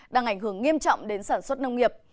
đang ảnh hưởng nghiêm trọng đến sản xuất nông nghiệp